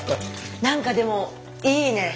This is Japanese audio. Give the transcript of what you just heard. なんかでもいいね。